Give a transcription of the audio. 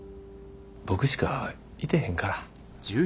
僕しかいてへんから。